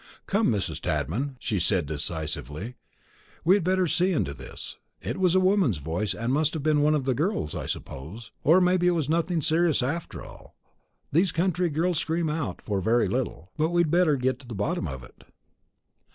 "Come, Mrs. Tadman," she said decisively, "we had better see into this. It was a woman's voice, and must have been one of the girls, I suppose. It may be nothing serious, after all, these country girls scream out for a very little, but we'd better get to the bottom of it."